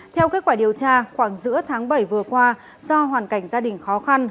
theo kết quả điều tra khoảng giữa tháng bảy vừa qua do hoàn cảnh gia đình khó khăn